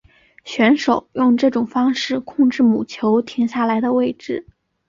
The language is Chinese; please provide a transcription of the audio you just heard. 选手用这种方式控制母球停下来的位置。